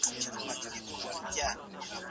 ما غوښتل چې د هغې غریبې مېرمنې لاسنیوی وکړم.